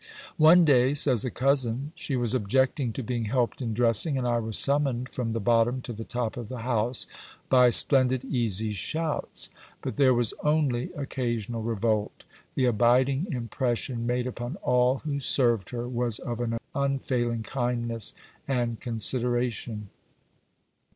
"One day," says a cousin, "she was objecting to being helped in dressing, and I was summoned from the bottom to the top of the house by splendid easy shouts." But there was only occasional revolt. The abiding impression made upon all who served her was of an unfailing kindness and consideration.